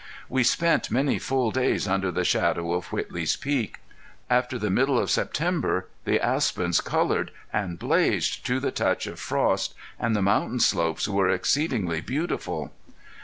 We spent many full days under the shadow of Whitley's Peak. After the middle of September the aspens colored and blazed to the touch of frost, and the mountain slopes were exceedingly beautiful.